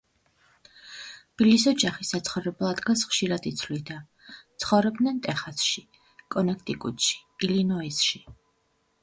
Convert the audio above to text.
ბილის ოჯახი საცხოვრებელ ადგილს ხშირად იცვლიდა; ცხოვრობდნენ ტეხასში, კონექტიკუტში, ილინოისში.